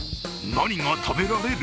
何が食べられる？